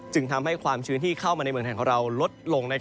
จึงทำให้ความชื้นที่เข้ามาในเมืองไทยของเราลดลง